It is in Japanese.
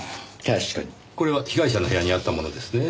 これは被害者の部屋にあったものですね？